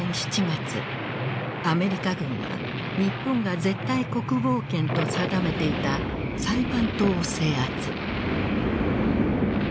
アメリカ軍は日本が絶対国防圏と定めていたサイパン島を制圧。